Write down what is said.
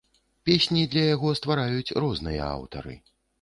Песні для яго ствараюць розныя аўтары.